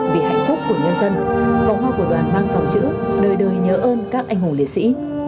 vì hạnh phúc của nhân dân vòng hoa của đoàn mang dòng chữ đời đời nhớ ơn các anh hùng liệt sĩ